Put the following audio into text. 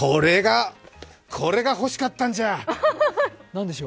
これが欲しかったんじゃ！